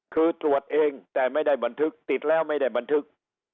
คือตรวจเองแต่ไม่ได้บันทึกติดแล้วไม่ได้บันทึก